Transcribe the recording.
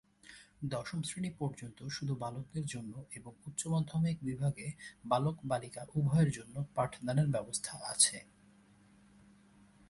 দশম শ্রেণি পর্যন্ত শুধু বালকদের জন্য এবং উচ্চ মাধ্যমিক বিভাগে বালক-বালিকা উভয়ের জন্য পাঠ দানের ব্যবস্থা আছে।